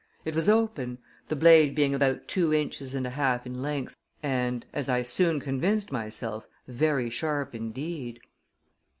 It was open, the blade being about two inches and a half in length, and, as I soon convinced myself, very sharp indeed.